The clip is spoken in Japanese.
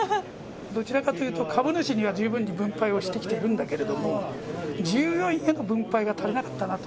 どちらかというと、株主には十分に分配をしてきてるんだけれども、従業員への分配が足りなかったなと。